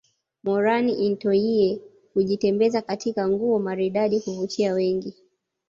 Moran intoyie hujitembeza katika nguo maridadi kuvutia wengi